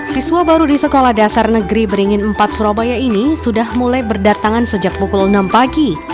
siswa baru di sekolah dasar negeri beringin empat surabaya ini sudah mulai berdatangan sejak pukul enam pagi